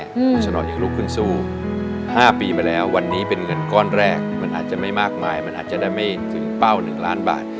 เพราะฉะนั้นเราอยากลุกขึ้นสู้๕ปีมาแล้ววันนี้เป็นเงินก้อนแรกมันอาจจะไม่มากมายมันอาจจะได้ไม่ถึงเป้า๑ล้านบาท